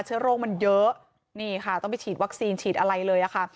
เชื้อโรคมันเยอะนี่ค่ะต้องไปฉีดวัคซีนฉีดอะไรเลยค่ะ